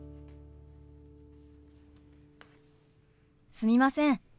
すみません。